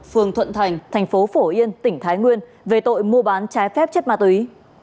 phường thuận thành thành phố phổ yên tỉnh thái nguyên về tội mua bán trái phép chất ma túy